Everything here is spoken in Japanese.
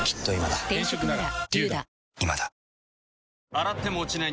洗っても落ちない